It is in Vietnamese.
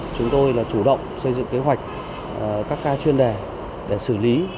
chúng tôi là chủ động xây dựng kế hoạch các ca chuyên đề để xử lý